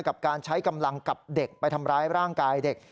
กับการใช้กำลังกับเด็กไปทำร้ายร่างกายเด็ก